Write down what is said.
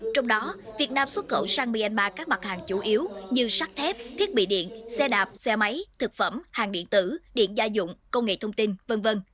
trong đó việt nam xuất khẩu sang myanmar các mặt hàng chủ yếu như sắt thép thiết bị điện xe đạp xe máy thực phẩm hàng điện tử điện gia dụng công nghệ thông tin v v